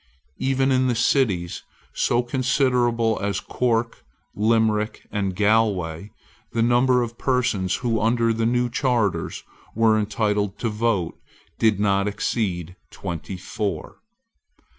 Even in cities so considerable as Cork, Limerick, and Galway, the number of persons who, under the new Charters, were entitled to vote did not exceed twenty four.